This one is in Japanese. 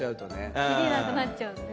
切りなくなっちゃうんで。